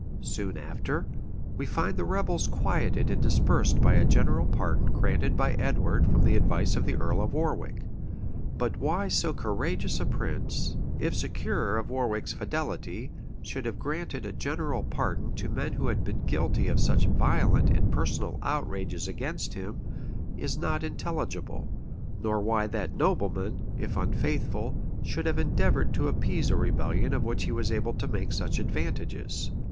Soon after, we find the rebels quieted and dispersed by a general pardon granted by Edward from the advice of the earl of Warwick: but why so courageous a prince, if secure of Warwick's fidelity, should have granted a general pardon to men who had been guilty of such violent and personal outrages against him, is not intelligible; nor why that nobleman, if unfaithful, should have endeavored to appease a rebellion of which he was able to make such advantages.